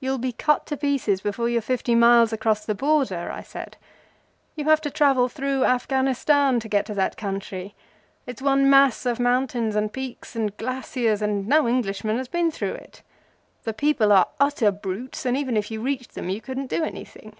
"You'll be cut to pieces before you're fifty miles across the Border," I said. "You have to travel through Afghanistan to get to that country. It's one mass of mountains and peaks and glaciers, and no Englishman has been through it. The people are utter brutes, and even if you reached them you couldn't do anything."